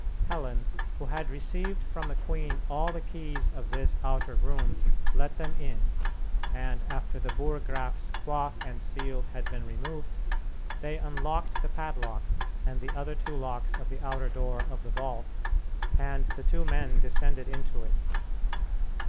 Helen, who had received from the queen all the keys of this outer room, let them in, and, after the Burggraf's cloth and seal had been removed, they unlocked the padlock and the other two locks of the outer door of the vault, and the two men descended into it.